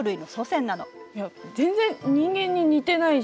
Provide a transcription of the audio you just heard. いや全然人間に似てないし。